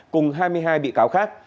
cùng hai mươi hai bị cáo khác